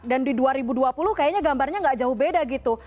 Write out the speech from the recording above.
di dua ribu dua puluh kayaknya gambarnya nggak jauh beda gitu